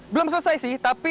belum selesai sih tapi